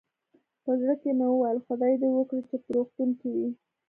په زړه کې مې ویل، خدای دې وکړي چې په روغتون کې وي.